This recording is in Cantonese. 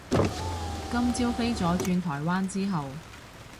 今朝飛咗轉台灣之後